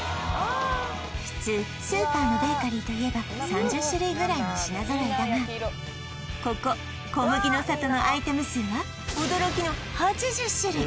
普通スーパーのベーカリーといえば３０種類ぐらいの品揃えだがここ小麦の郷のアイテム数は驚きの８０種類！